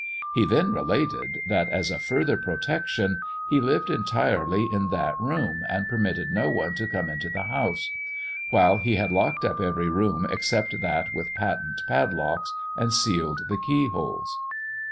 He then related that, as a further protection, he lived entirely in that room, and permitted no one to come into the house; while he had locked up every room except that with patent padlocks, and sealed the keyholes."